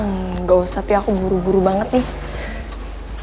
nggak usah tuh aku buru buru banget nih